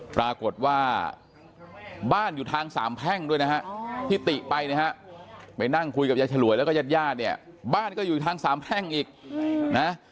ปรากฏว่าบ้านอยู่ทางสามแพร่งด้วยนะฮะที่ติไปนะฮะไปนั่งคุยกับยายฉลวยแล้วก็ญาติญาติเนี่ยบ้านก็อยู่ทางสามแพร่งอีกนะ